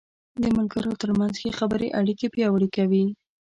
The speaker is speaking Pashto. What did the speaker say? د ملګرو تر منځ ښه خبرې اړیکې پیاوړې کوي.